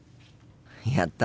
やった！